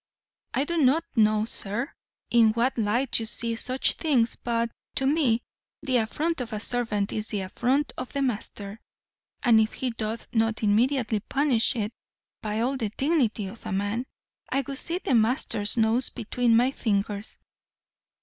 "I do not know, sir, in what light you see such things; but, to me, the affront of a servant is the affront of the master; and if he doth not immediately punish it, by all the dignity of a man, I would see the master's nose between my fingers."